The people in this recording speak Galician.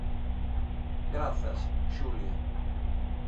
Grazas, Xulia.